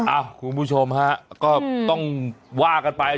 คุณผู้ชมฮะก็ต้องว่ากันไป